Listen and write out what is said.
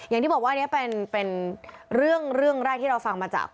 อย่างที่บอกว่าอันนี้เป็นเรื่องแรกที่เราฟังมาจาก